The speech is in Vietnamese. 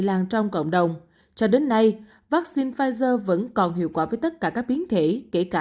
lan trong cộng đồng cho đến nay vắc xin pfizer vẫn còn hiệu quả với tất cả các biến thể kể cả